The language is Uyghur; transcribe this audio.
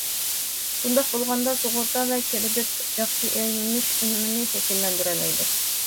بۇنداق بولغاندا، سۇغۇرتا ۋە كىرېدىت ياخشى ئايلىنىش ئۈنۈمىنى شەكىللەندۈرەلەيدۇ.